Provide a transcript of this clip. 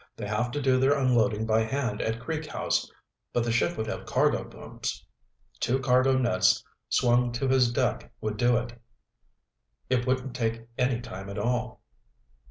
"They have to do their unloading by hand at Creek House, but the ship would have cargo booms. Two cargo nets swung to his deck would do it. It wouldn't take any time at all."